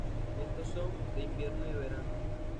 Estos son: de invierno y de verano.